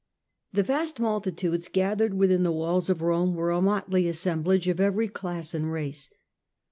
The vast multitudes gathered within the walls of Rome were a motley assemblage of every class and race.